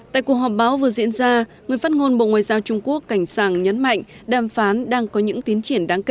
tại cuộc họp báo vừa diễn ra người phát ngôn bộ ngoại giao trung quốc cảnh sàng nhấn mạnh đàm phán đang có những tiến triển đáng kể